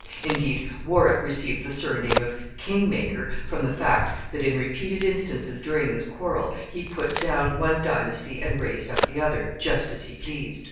Indeed, Warwick received the surname of King maker from the fact that, in repeated instances during this quarrel, he put down one dynasty and raised up the other, just as he pleased.